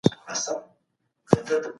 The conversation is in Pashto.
پر مځکي باندي د لمر وړانګي ولګېدې.